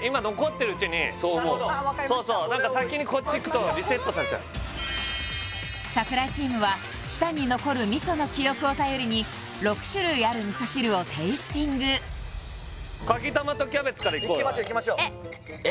今残ってるうちにそう思うあ分かりました先にこっちいくとリセットされちゃう櫻井チームは舌に残る味噌の記憶を頼りに６種類ある味噌汁をテイスティングかきたまとキャベツからいこうよいきましょいきましょえっ！え？